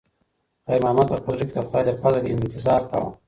خیر محمد په خپل زړه کې د خدای د فضل انتظار کاوه.